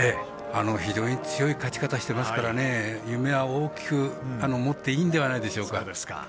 非常に強い勝ち方をしていますからね夢は大きく持っていいんではないでしょうか。